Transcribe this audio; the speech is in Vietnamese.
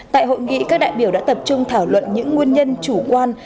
tại hội nghị các đại biểu đã tập trung thảo luận những nguyên nhân chủ quan